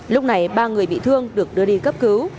lúc này ba người bị thương được đưa đi cấp cứu